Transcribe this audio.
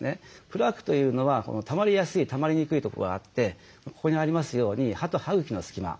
プラークというのはたまりやすいたまりにくいとこがあってここにありますように歯と歯茎の隙間。